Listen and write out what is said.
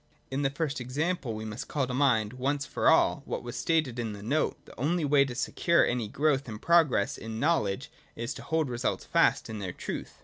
In this first example we must call to mind, once for all, what was stated in § 82 and in the note there : the only way to secure any growth and progress in know ledge is to hold results fast in their truth.